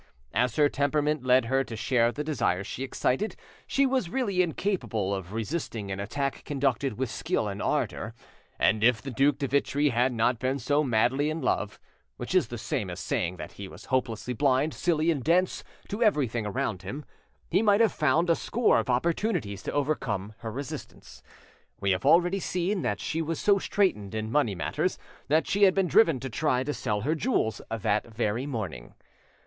As her temperament led her to share the desires she excited, she was really incapable of resisting an attack conducted with skill and ardour, and if the Duc de Vitry had not been so madly in love, which is the same as saying that he was hopelessly blind, silly, and dense to everything around him, he might have found a score of opportunities to overcome her resistance. We have already seen that she was so straitened in money matters that she had been driven to try to sell her jewels that very, morning.